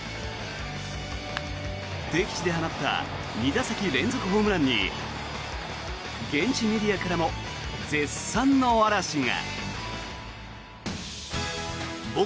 敵地で放った２打席連続ホームランに現地メディアからも絶賛の嵐が。